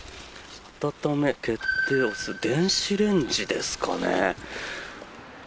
温め、決定、押す電子レンジですかね。